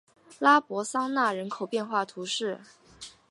拉博桑讷人口变化图示